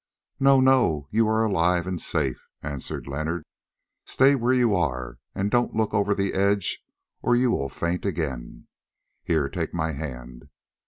"No, no, you are alive and safe," answered Leonard. "Stay where you are and don't look over the edge, or you will faint again. Here, take my hand.